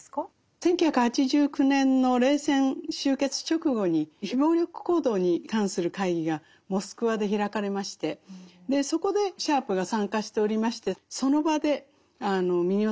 １９８９年の冷戦終結直後に非暴力行動に関する会議がモスクワで開かれましてそこでシャープが参加しておりましてその場でほう。